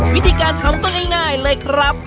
วิธีการทำก็ง่ายเลยครับ